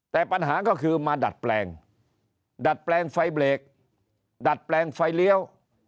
แต่ปัญหาก็คือมาดัดแปลงดัดแปลงไฟเบรกดัดแปลงไฟเลี้ยว